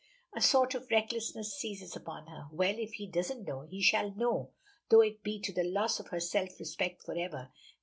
A sort of recklessness seizes upon her. Well, if he doesn't know, he shall know, though it be to the loss of her self respect forever!